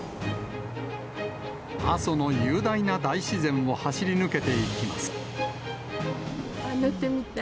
阿蘇の雄大な大自然を走り抜乗ってみたい。